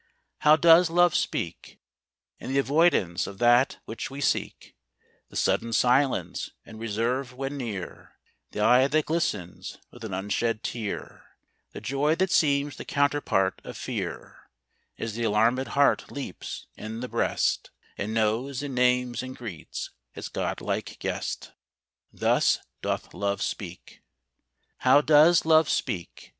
How does Love speak? In the avoidance of that which we seek The sudden silence and reserve when near The eye that glistens with an unshed tear The joy that seems the counterpart of fear, As the alarmed heart leaps in the breast, And knows and names and greets its godlike guest Thus doth Love speak. How does Love speak?